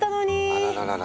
あらららら。